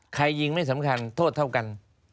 ยิงไม่สำคัญโทษเท่ากัน